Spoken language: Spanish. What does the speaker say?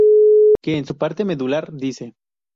Que en su parte medular dice.